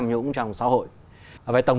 chúng tôi cho rằng